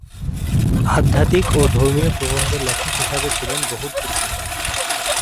আধ্যাত্মিক ও ধর্মীয় প্রবন্ধের লেখক হিসাবে ছিলেন বহুল পরিচিত।